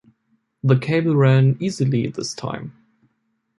The cable ran easily this time.